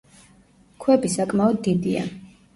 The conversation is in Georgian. ქვები საკმაოდ დიდია.